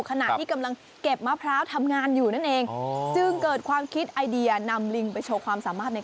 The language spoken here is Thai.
ขณะที่เกิดความคิดไอเดียนำริงไปโชว์ความสามารถวิจัย